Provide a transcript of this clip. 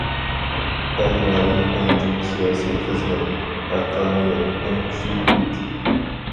ئەل رايى ئەڭ چوڭ سىياسىي خىزمەت، ھەققانىيەت ئەڭ كۈچلۈك كۈچ.